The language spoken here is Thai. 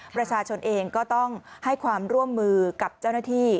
ประชาชนเองก็ต้องให้ความร่วมมือกับเจ้าหน้าที่